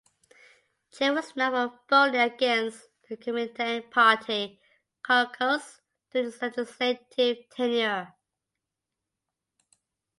Chen was known for voting against the Kuomintang party caucus during his legislative tenure.